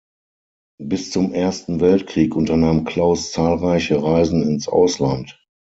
Bis zum Ersten Weltkrieg unternahm Claus zahlreiche Reisen ins Ausland.